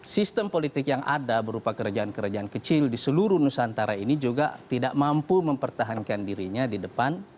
sistem politik yang ada berupa kerajaan kerajaan kecil di seluruh nusantara ini juga tidak mampu mempertahankan dirinya di depan